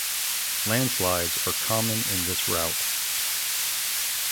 Landslides are common in this route.